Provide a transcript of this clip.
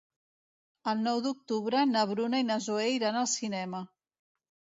El nou d'octubre na Bruna i na Zoè iran al cinema.